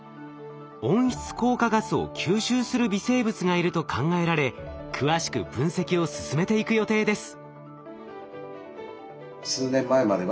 温室効果ガスを吸収する微生物がいると考えられ詳しく分析を進めていく予定です。